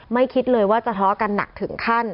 ไม่คิดเลยว่าจะท้อกันหนักถึงขั้น